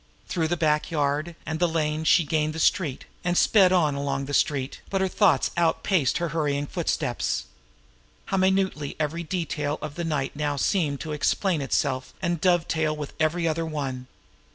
Through the back yard and lane she gained the street, and sped on along the street but her thoughts outpaced her hurrying footsteps. How minutely every detail of the night now seemed to explain itself and dovetail with every other one!